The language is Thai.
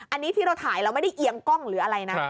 อันนี้ที่เราถ่ายเราไม่ได้เอียงกล้องหรืออะไรนะ